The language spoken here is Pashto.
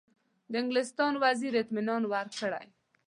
د انګلستان وزیر اطمینان ورکړی.